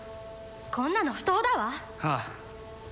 こんなの不当だわああ